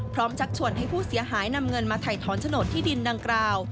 ชักชวนให้ผู้เสียหายนำเงินมาถ่ายถอนโฉนดที่ดินดังกล่าว